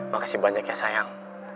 makasih banyak ya sayang